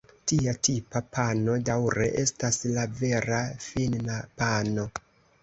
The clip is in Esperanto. Tia tipa pano daŭre estas la vera finna pano.